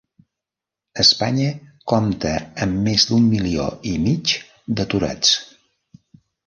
Espanya compta amb més d'un milió i mig d'aturats.